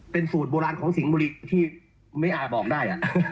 เป็นสูตรโบราณของสิงห์บุรีที่ไม่อาจบอกได้